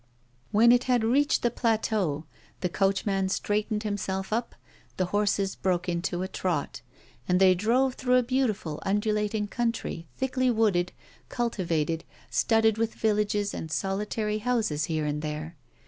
When it had reached the plateau, the coachman straightened himself up, the horses broke into a trot; and they drove through a beautiful, undulating country, thickly wooded, cultivated, studded with villages and solitary houses here and there.